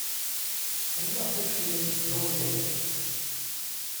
Ḥemleɣ tacennayt Joan Baez.